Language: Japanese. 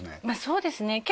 まあそうですね